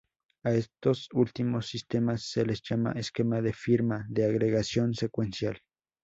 A estos últimos sistemas se les llama esquema de firma de agregación secuencial.